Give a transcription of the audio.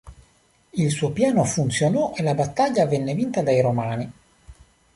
Il suo piano funzionò e la battaglia venne vinta dai Romani.